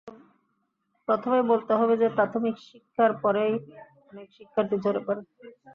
প্রথমেই বলতে হবে যে, প্রাথমিক শিক্ষার পরেই অনেক শিক্ষার্থী ঝরে পড়ে।